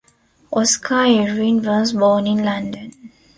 Oscar Irwin was born in London.